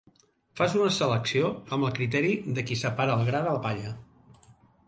Fas una selecció amb el criteri de qui separa el gra de la palla.